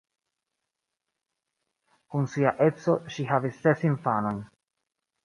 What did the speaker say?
Kun sia edzo ŝi havis ses infanojn.